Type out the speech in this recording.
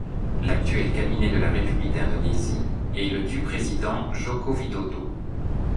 L'actuel cabinet de la République d'Indonésie est le du Président Joko Widodo.